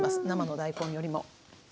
生の大根よりも。